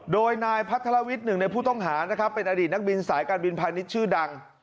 โดยนายพัทรวิทย์หนึ่งในผู้ต้องหานะครับเป็นอดีตนักบินสายการบินพาณิชย์ชื่อดัง